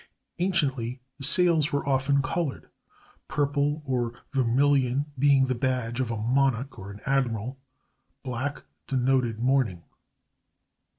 Anciently the sails were often colored, purple or vermilion being the badge of a monarch or an admiral. Black denoted mourning.